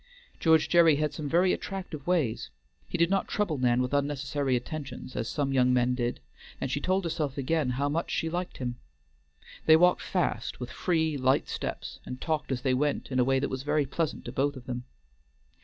George Gerry had some very attractive ways. He did not trouble Nan with unnecessary attentions, as some young men had, and she told herself again, how much she liked him. They walked fast, with free, light steps, and talked as they went in a way that was very pleasant to both of them.